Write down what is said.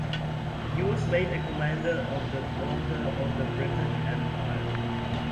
He was made a Commander of the Order of the British Empire.